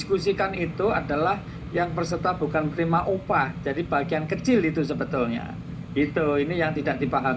untuk yang di phs lima puluh sembilan tahun dua ribu dua puluh empat ya